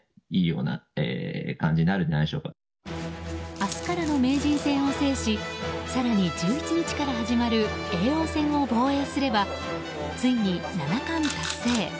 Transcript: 明日からの名人戦を制し更に、１１日から始まる叡王戦を防衛すればついに七冠達成。